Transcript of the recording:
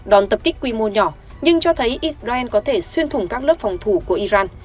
đòn tập kích quy mô nhỏ nhưng cho thấy israel có thể xuyên thủng các lớp phòng thủ của iran